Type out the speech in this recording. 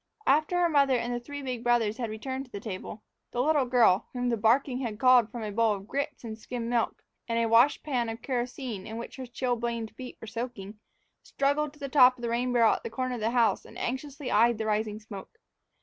After her mother and the three big brothers had returned to the table, the little girl, whom the barking had called from a bowl of grits and skimmed milk and a wash pan of kerosene in which her chilblained feet were soaking, struggled to the top of the rain barrel at the corner of the house and anxiously eyed the rising smoke.